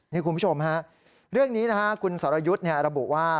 นี่คุณผู้ชมฮะเรื่องนี้นะฮะคุณสรยุทธ์ระบุว่า